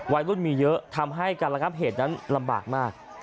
วัยรุ่นมีเยอะทำให้การระงับเหตุนั้นลำบากมาก